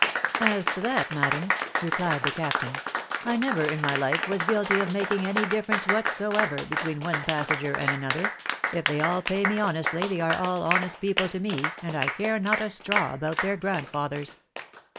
" As to that, madam," replied the captain, " I never in my hfe was guilty of making any difference whatsoever between one passenger and another ; if they all pay me honestly, they are an honest people to me, and I care not a straw about, their grandfathers."